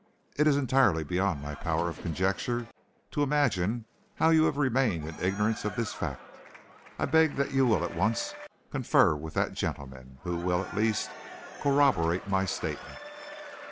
It is entirely beyond my powers of conjecture to imagine how you have remained in ignorance of this fact. I beg that you that will at once confer with that gentleman, who will, at least, corroborate my statement."